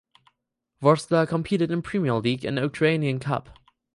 Vorskla competed in Premier League and Ukrainian Cup.